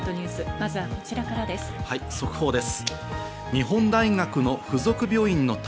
まずはこちらからです。